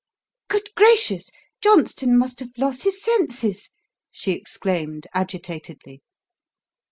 "Good gracious! Johnston must have lost his senses!" she exclaimed agitatedly.